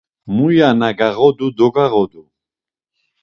Muya na gağodu dogağodu.